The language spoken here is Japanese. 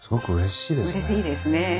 うれしいですね。